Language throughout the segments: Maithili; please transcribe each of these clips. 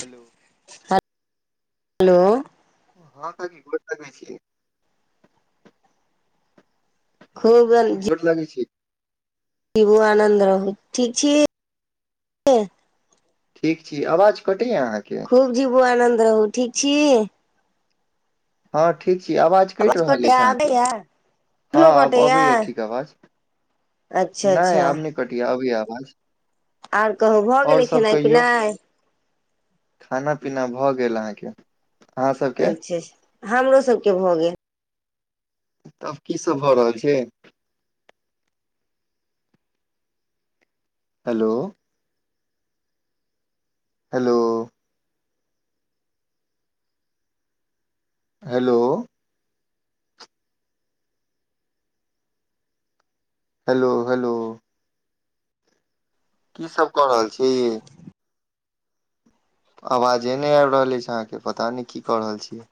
हेलो। [unintelligible] हेलो। [unintelligible] हँ काकी गोर लमे छिय। [unintelligible] खूब रंजीब। गोर लगै छी [unintelligible] जीू आनन्द रहू ठीक छी। [unintelligible] ठीक छै आवाज कटे। कटेया अहाँके। [unintelligible] ू आनन्द रहू ठीक छिय। [unintelligible] [unintelligible] हँ ठीक। ठीक आवाज कि रहल कटैया अछि आबैया एखनो हँब कटैया अबैय ठीक आवाज अच्छा नहि अच्छा आब नहि कटेया। आवाज। [unintelligible] आर कहू भऽ आओर गेलै सब खेनाइ कहियौ पिनाइ। खाना पीना भऽ गेल अहाँके। अहाँ सबके। [unintelligible] अच्छा हमरो सभके भऽ गेल। तब कीसभ भऽ रहल छै। [unintelligible] Hello. [unintelligible] Hello. [unintelligible] Hello. [unintelligible] Hello -hello. [unintelligible] कीसभ कऽ रहल छी। [unintelligible] आवाजे नहि आबि रहल अछि अहाँके पता नहि की कऽ रहल छियै।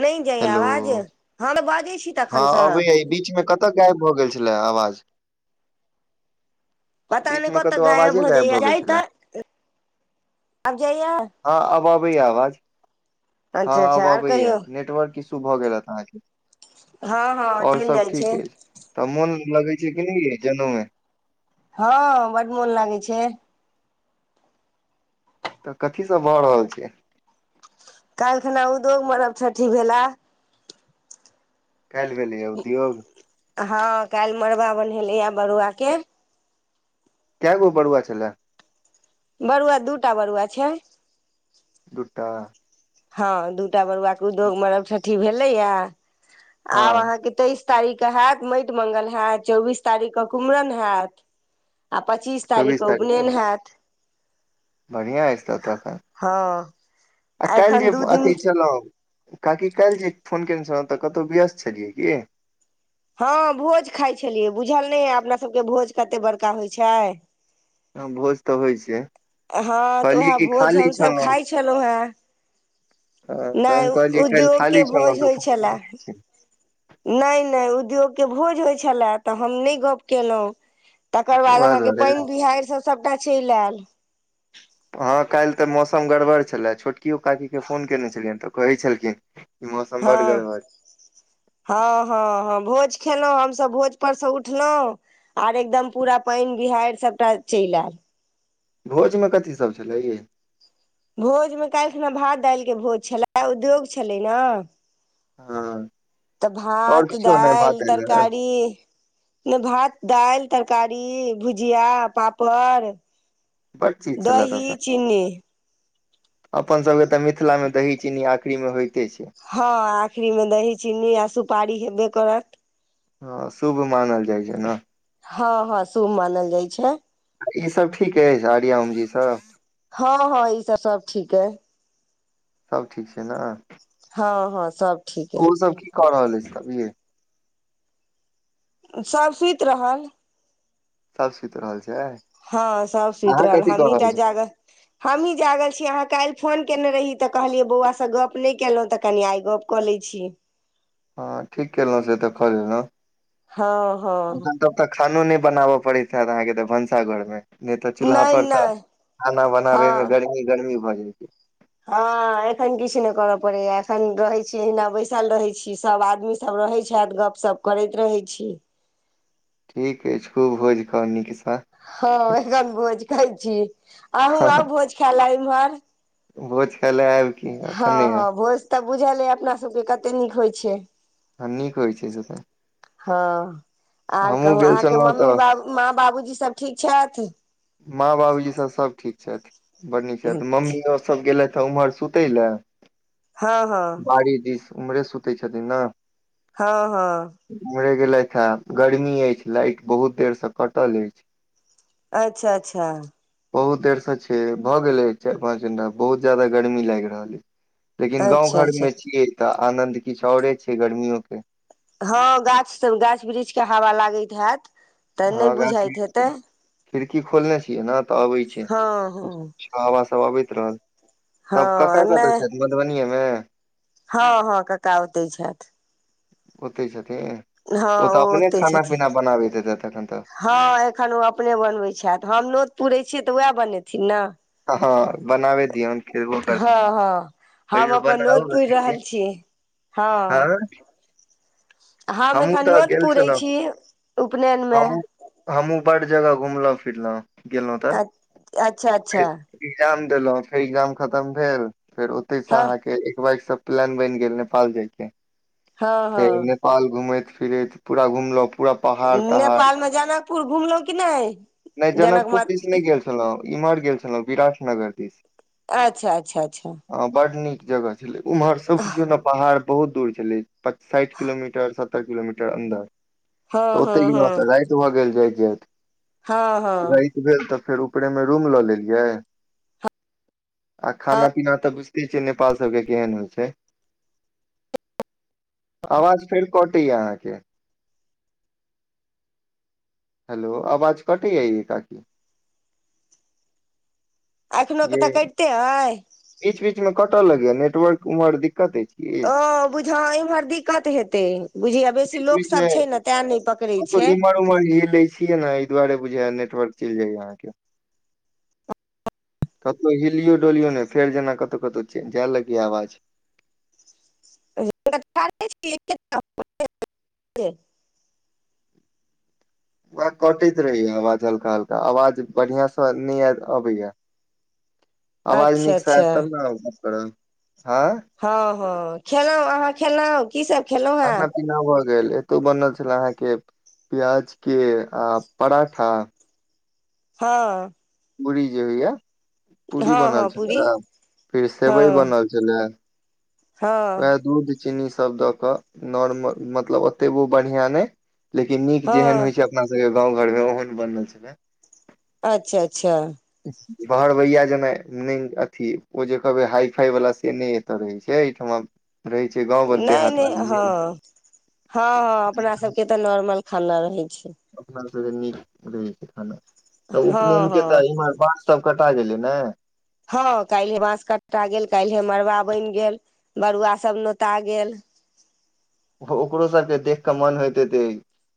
नहि जाइ हेलो आवाज हँ तऽ बाज। हँ, अबैये ई बीच मे कत गायब भऽ गेल छै छलै आवाज पता बीच नहि मे कतऽ कत्तौ अवाजे गायब भऽ ग़ायब भ जाइया गेल जाइ छेलै। तऽ आब जाइया हं आब अबइये आवाज, अच्छा हं अच्छा आब आर अबैये कहियौ नेटवर्क ईशु भऽ गेल हेतु अहाँके। हँ हँ हो और चल सब जाइ छै। ठीक अछि [unintelligible] तऽ मोन लगै छै क नहि जनेउमे। [unintelligible] हँ बड मोन लागै छै। [unintelligible] तऽ कथी सब भऽ रहल छै? काइलखना उदोग मरब ठठी भेले। कैल भेलइये उदयोग। हँ, काल्हि मड़बा बन्नहेलेयै बरुआ के। कै गो बडुआ छलै? बरुआ दू टा बरुआ छै। दु्टा। हँ, दूटा बरुआके उद्योग, मरबठ्ठठी भेलैयै आब हँ अहाँके तईस तारीखके हैत माटि मंगल हैत चौबीस तारीखक कुम्हरण हैत। आ पच्चीस चौबीस तारीखक तारीख के उपनयन हैत। बढ़िया अईछ त तऽ हँ अ काल्हि एखन दू जे दिन अथी चलब काकी काल्हि जे फोन कयने छलहुँ तऽ कतहु व्यस्त छलियै की? हँ, भोज खाई छलियै, बुझल नहि अई अपना सभके भोज कते बड़का होइ छै। हँ, भोज तऽ होइ छै। हँ तऽ कहलियै उएह कि भोज खाली हमसभ छौं खाइ छलहुँ हेँ नहि उद्योग के खाली छलहुँ भोज तऽ होइ फोन छले, नहि नहि उद्योग के भोज होइ छलए तऽ हम नहि गप्प केलहुँ तकर बाद उएह अहाँके दुआरे पानि बिहाड़ि सब सबटा चैल ऐल हँ, काल्हि तऽ मौसम सम गड़बड़ छलै छोटकियो काकी के फोन केने छलियनि तऽ कहै छलखिन ई मौसम बड हँ गड़बड़ हँ हँ हँ भोज खेलहुँ हमसभ भोजपरसँ उठलहुँ आर एकदम पूरा पानि बिहाड़ि सभटा चलि आयल। भोजमे कथीसभ छलै यई? भोजमे काल्हि खिना भात दालिके भोज छलै उद्योग छलै ना हँ तऽ आओर भात, किछो नहि भात दाईल, दालि तरकारी ई भात, दाईल, तर कारी, भुजिया, पापड़ बड चीज छले दही तब तऽ चीनी। अपन सब एत मिथिला मे दही चीनी आखरी मे होइ हां, आखिरी मे दही चीनी आ सुपारी हे बेकरट। हां, शुभ मानल जाइ छै ने। हँ हँ शुभ मानल जाइ छै। ईसभ ठीक अछि आर्या, ओम जी सब? हँ हँ ई सब सब ठीक की। सब ठीक छै ने। हँ हँ सब ठीक अइ और सब कि? क रहल अछि सब सुति रहल। सब सुति रहल छै। अहाँ हां, सब सुति रहल, कथी कऽ हमही टा छी जागल, हमही जागल छी अहां काल्हि फ़ोन कयने रही त कहलियै बौआसं गप नहि केलहुं त कनि आइ गप क लै छी। हां, ठीक केलहुं से त क लेलहुं। हां हां। खानो नहि बनाब' पड़ैत हयत अहां के त भनसाघर मे। नहि त चुलहा नहि पर त नहि खाना बनाबै मे गर्मी गर्मी भ' गेलै कि? हां, एखन किछु नहि करय पड़ैए, एखन रहै छी अहिना बैसल रहै छी, सब आदमी सब रहैत छथि, गपशप करैत रहै छी। ठीक अछि, खुब भोज खाउ नीक से। हां, सब भोज। खाइ छी। अहुं आउ भोज खायइले बिमार। भोज खाइले आबि हां हां भोज त बुझल अइ अपना सबके कते नीक होइ छै। हां नीक होइ छै से त हां। आर कहु, अहांके मम्मी तऽ बाबु, माँ बाबूजी सब ठीक छथि। माँ बाबुजी सब, सब ठीक छथि। बड नीक छथि, मम्मी और सब गेलैथ त उमहर सुतय लए हँ हँ बाड़ी दिस उम्हरे सुतै छथिन न। हँ हँ गेलथि हे, गर्मी अछि, लाइट बहुत देर से कटल अछि। अच्छा अच्छा बहुत देरसँ छिये, भऽ गेले चार पाँच घंटा, बहुत ज्यादा गर्मी लागि रहल अ। लेकिन गांव अच्छा घर अच्छा मे छियै त आनंन्द किछु औरे छै गर्मियो के। हां, गाछ सब, गाछ वृक्ष के हवा लागैत हयत। हां, गाछ वृक्ष छै, खिड़की खोलने छियै ने त अबै छै, हँ हँ हवा सब अबैत [unintelligible] तब कका हँ कतऽ छथि नहि मधुबनीये मे हँ हँ कका ओते छथि। ओते छथि। [unintelligible] हँ ओ तऽ अपने ओतै खाना छथिन पीना बनाबैत हेता। [unintelligible] हँ एखन ओ अपने बनबै छथि हम नोत पुरे छियै तऽ वएह बनेथिन ने। ह हँ बनाबे दिए कर द हँ हँ कहि हम अपन बना नोत पुरि रहल छी हँ। हम हमहुँ एखन तऽ नऽत गेल पुरै छलहुँ छी उपनयनमे। हमहुँ हमहुँ बड जगह घुमलो फिरलहु धत् अच्छा अच्छा इकजाम देलहुं फेर इकजाम खतम भेल। फेर ओतहिसँ हँ अहाँके एक बगसँ प्लान बनि गेल नेपाल जाइके। हँ फेर हँ नेपाल घुमेथ फिर पूरा घुमलो। नेपालमे जनकपुर घुमलहुं कि नहि जनक म ई मर गेल विराटनगर दिस माता अच्छा अच्छा अच्छा हँ बड नीक जगह छलै, उम्हर सबकुछ ने पाहाड़ बहुत दूर छलै। पच साइठ किलोमीटर सत साइठ किलोमीटर अन्दर तऽ हँ ओते गेल होत जााय त भ गेल जाइ। [unintelligible] हाँ-हाँ। फेर ऊपरे मे रूम ल लेली ये, आ खाना-पीना तऽ बुझते छियै नेपाल सबके केहेन होय छै, अवाज फेर कटे या अहाँ के। हेलो अवाज कटे या ये काकी। एखनो के ये तऽ कटिते अइ बीच-बीच मे कटै लगे नटवर्क उमहर दिक ओ बुझऽ इम्हर दिक्कत हेतै। बुझिय बेसी बीच लोक बीचमे सब छै ने तें नहि पकड़ै आ त छै इमर उम ह लै छिय ने दुआरे बुझाए नेटवर्क चैल जाय अहाँ के, कतो हिलयो डोलियो नै फेर जेना कतो कतो जे जाय लागी अवाज [unintelligible] [unintelligible] कटैत रहैया अवाज हल्का-हल्का, अवाज बढ़ियां से नै आएल अबैया। अवाज अच्छा नीक से आएत अच्छा तब ने हम गप्प करब। हय। हां खेलौ, अहाँ खेलौ। की सब खेलौ हैं। खाना पीना भऽ गेल, एतो बनल छल अहाँ के प्याज के आ पराठा हाँ। पुरी जे होय या। पूरी हँ बनल हँ पूरी छलै, फिर सेवय हँ बनल छलै। हँ उहाए दूध चीनी सब द क नॉर्मल मतलब ओतेबो बढ़िया नै लेकिन नीक जेहेन हँ होय छै अपना सके गाँव घर मे ओहन बनल छै। अच्छा-अच्छा। बहरवैया जेना नै अथी ओ जे कहबै हाई फाई वला से नै एता होय छै, ए ठमा रहै छै गाँव व देहात [unintelligible] हाँ हाँ अपना सबके ते नॉर मल खाना रहै छै। अपना सबके नीक लगै छै खाना। तऽ हँ उपनैन के ते हँ इम्हर बास सब कटा गेलै ने। हे मरबा बैन गेल, बरुआ सब नोता गेल। ओ ओकरो सबके देख के मन होएत हेते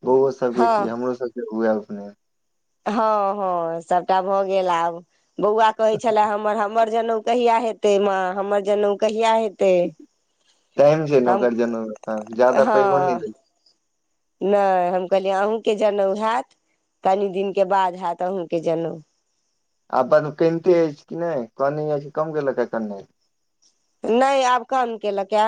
बौअवो सबके हँ की हमरो सबके हुआए ह। हँ हँ सबटा भऽ गेल आब। बौआ कहै छले हमर हमर जनउ कहिया हेते माँ हमर जनेउ कहिया हेतै टेएम छै नै हम ओकर जनोऊ मे, हाँ जादा पैघो ने दे नै हम कहलियै अहूँ के जनौउ हाएत, कनि दिन के बाद हाएत अहूँ के जनौउ। आ ब कैनते एछ की नै, कानै या कि कम केलक या काननाए। नै आब कम केलक या।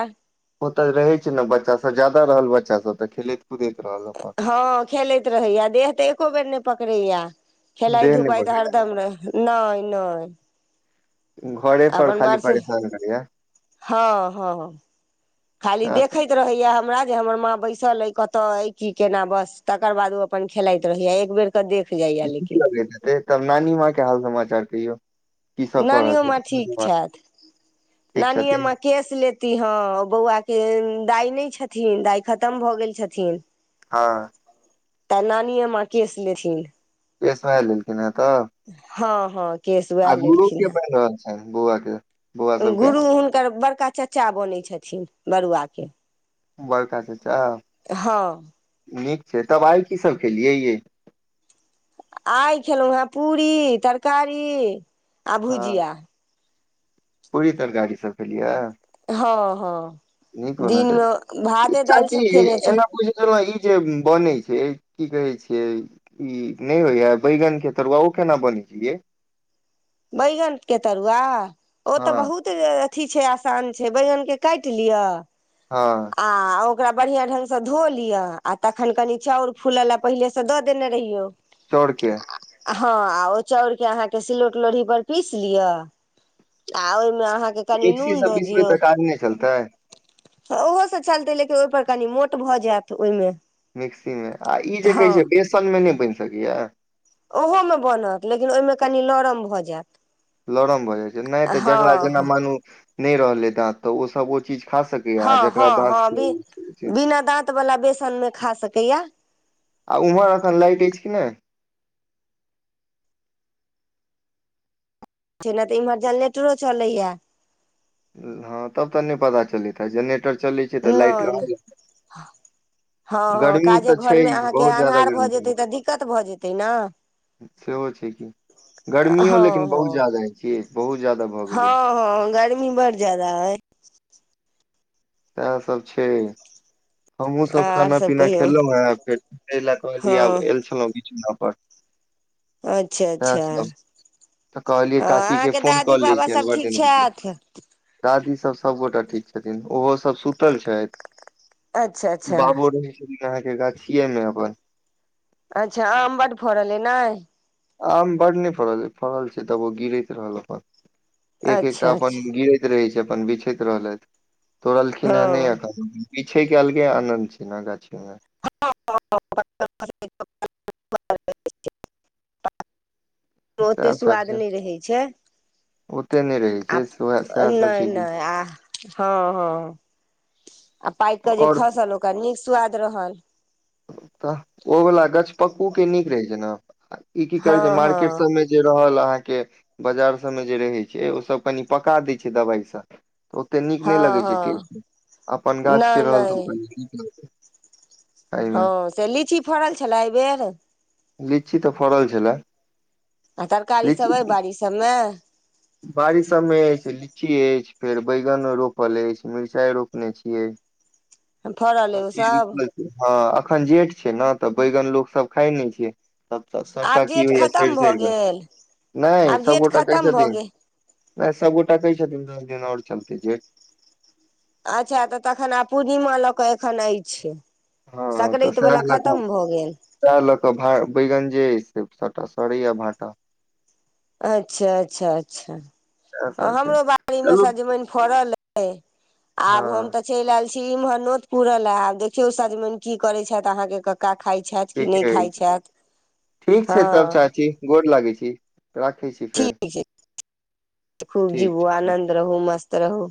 ओते रहे छै ने बच्चा सब जादा रहल बच्चा सब तऽ खेलैत। कुदैत रहल अपन हँ खेलैत रहहि आ देह तऽ एको बेर नहि पकड़े य। खेलइ देह नहि धुपाइ तऽ हरदम रह नहि नहि। बगैर घरे पर अपन खाली बर्ष परेशान करैया हँ हँ खाली हँ देखैत रहैया हमरा जे हमर माँ बैसल अ कतऽ अ की केना बस तकर बाद ओ अपन खेलाइत रहहिया एक बेर कऽ देख जाइया नीक लेकिन लगैत हेते तब नानी माँ के हाल समाचार कैयो। नानिओमे ठीक छथि ठीक छथिन नानिेमे केश लेती हँ बौआके दाइ नहि छथिन दाइ खतम भऽ गेल छथिन। हँ। ते नानी माकिसथिन। प्मलथि तऽ। हँ हँ। केश उएह आगू लेलखिन रोपिय हेँ पै ने ह बोआ। गुरु हुनकर बड़ कका चचा बनै छथिन बरुआ के। बड़का छै हँ न तब आइ की सब खेलियै ये। आइ खेलहुँ हेँ पूरी तरकारी हँ आभूजिया। पूरी तर गाड़ीसँ फैेलियिया। हँ हँ। न कोना दिनमे छै भाते दालि सभ खेने छै साचीना पजिश ई जे बने छै की कहै छियै ई नहि होइए बैगनके तरुआओ केना बनै छियै। बैगनतके तरुआा ओ तऽ हँ बहुत अथी छै आसान छै बैगनके काटि लिअ हँ आ ओकरा बढ़ियां ढंग से धो लिअ आ तखन कनि चाउर फूल ल पहिले से दऽ देने रहियौ। चौड़के। हँ आ ओ चाउर के अहाँके सिलौट लोढ़ी पर पीस लियअ आ ओहिमे अहाँके कनि एकसी नून स दऽ बीसमे तऽ काज नहि चलतै। ह ओहो से चलतै लेकिन ओहिपर कनि मोट भऽ जायत ओहिमे। मिक्सी में आ ई जे कहै हँ छै बेसन में नहि बन सीिया। ओहोमे बनत लेकिन ओहिमे कनि नरम भऽ जायत। लरम भऽ जाइ छै नहि तऽ हँ झकड़ा जेना हँ मनू नहि रहलै दाँत तऽ ओसभ ओ चीज खा सकैया आ हँ जकरा हँ हँ दाँत छै ओ छै बिना दाँत वालला बेसनमे खा सकैया। आ उम्हर एखन लाइट अछि कि नहि छै नहि तऽ इम्हरजेंेटरो चलैए। हँ तब तऽ नहि पता नहि नहि हँ हँ काजे घर मे अहाँके अन्हार भऽ जेतै तऽ दिक्कत ग भऽ जेतै ने हँ हँ ग। ी बड़ जादा है। तएह सब छै। हमहुँ सब आर खाना सब पीना कहियौ खेलहुं हे फेर लए कहलिय आब हँ एल छलहुं बिीचना पर अच्छा अच्छा सएहसभ तऽ कहलियै काकीके अहाँके फोन कऽ दादी लै बाबा छियनि सब बर ठीक दिन भेलै छथि दादीसभ सभगोटा ठीक छथिन ओहोसभ सुतल अच्छा छथि। अच्छा बाबो रह अहाँके गाछिए मे अपन। अच्छा आम बड फड़ले ने। आम बड नहि फड़ल फड़ल छै तब ओ गिरैत रहल अपन एक एकटा अच्छा अपन अच्छा गिरैत रहै छै। अपन बिछैत रहलथि। तोड़लखिन हे नहि हँ एखन। पीछे कलके आनंन्द सि ने गाछीमे। [unintelligible] मे ओतेक सएह सब सुआाद छै नहि रहैत छै। ओते नहि रहै आ छै सएह सएह सब नहि छै कि नहि आ हँ हँ आ पाक के जे आओर खसल ओकरा नीक स्वाद रहल। तऽ ओवला गछ पकू क नीक रहे छै ने। ई की करै हँ छै हँ मार्केट सब में जे रहल अहाँके के बाजार सभमे जे रहै छै ओसभ कनि पका दै छै दबाइसँ तऽ ओतेक नीक नहि हँ लगैत छै हँ टेस्ट अपन नहि गाछके रहल नहि तऽ नीक ल। हँ से लीची फड़ल छलए एहिबेर। लीची तऽ फड़ल छल। आ तरकारी सभ अइ बाड़ी सबमे। बारिश सभमे अछि लीची अछि फेर बैगनो रोपल अछि मिरचाई रोपने छियै। फड़ल अइ सब ओ सब चीज ह अखन जेठ छै ने तऽ बैगन लोक सब खााय नहि छै। सबटा सबटा आब की जेठ होइय सेर खतम भऽ सर गेल नहि आब सब जेठ गोटा कहै खतम भऽ छथिन। गेल नहि सभगोटा कहै छथिन दस दिन आओर चलतै जेठ अच्छा तऽ तखन आब पूर्णिमा लऽ कऽ एखन अछि। हँ तऽ सकरैत सएह वला ल कऽ खतम भऽ गेल सएह लऽ कऽ भ बैगनज सटा सरीा भाटा। अच्छा अच्छा अच्छा सएह ह सब छै हमरो बाड़ी मे चलू सजमनि फड़ल ह। हँ आब हम तऽ चलि आयल छी इम्हर नोत पुरल ल आब देखियौ सजमनि की करे छथि अहाँके क ठीके ठीक छै तब हँ चाह छी गोर लागै छी। राखै छी फेर ठीक ह खूब ठीक जीवो छै ठीक आनन्द रहू मस्त। रहू।